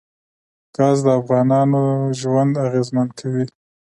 ګاز د افغانانو ژوند اغېزمن کوي.